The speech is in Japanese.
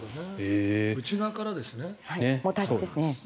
内側からですね。